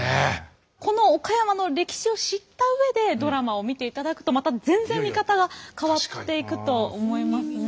この岡山の歴史を知った上でドラマを見ていただくとまた全然見方が変わっていくと思いますね。